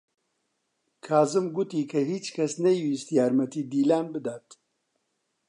کازم گوتی کە هیچ کەس نەیویست یارمەتیی دیلان بدات.